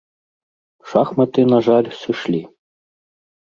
Шахматы, на жаль, сышлі.